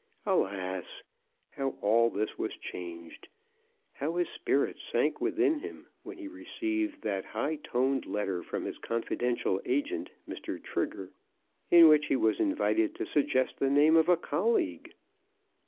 Alas! how all this was changed; how his spirits sank within him, when he received that high toned letter from his confidential agent, Mr. Trigger, in which he was invited to suggest the name of a colleague!